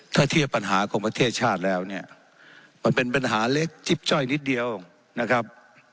ถ้าเทียบปัญหาของประเทศชาติแล้วเนี่ยมันเป็นปัญหาเล็กจิ๊บจ้อยนิดเดียวนะครับ